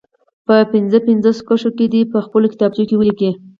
په پنځه پنځه کرښو کې دې په خپلو کتابچو کې ولیکي.